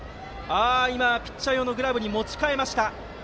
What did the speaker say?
ピッチャー用のグラブに持ち替えました。